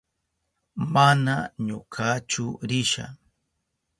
Mana ñukachu risha.